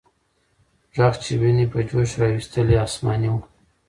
ږغ چې ويني په جوش راوستلې، آسماني و.